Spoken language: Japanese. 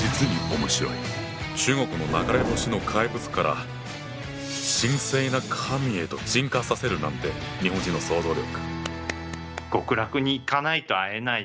中国の流れ星の怪物から神聖な神へと進化させるなんて日本人の想像力。